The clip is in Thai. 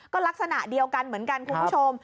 ก็ลักษณะเดียวกันเหมือนกันคุณผู้ชม